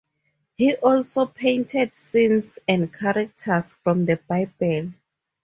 He also painted scenes and characters from the Bible.